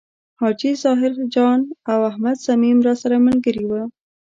حاجي ظاهر جان او احمد صمیم راسره ملګري و.